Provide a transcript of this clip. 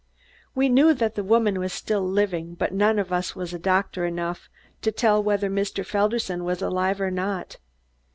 We knew that the woman was still living, but none of us was doctor enough to tell whether Mr. Felderson was alive or not.